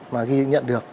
mà ghi nhận được